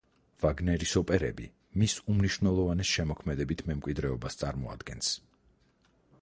ვაგნერის ოპერები მის უმნიშვნელოვანეს შემოქმედებით მემკვიდრეობას წარმოადგენს.